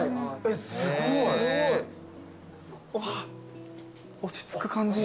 すごい。わ落ち着く感じ。